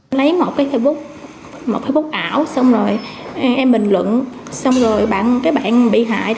lấy một facebook ảo xong rồi em bình luận xong rồi bạn bị hại